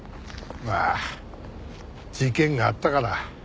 まあ事件があったから。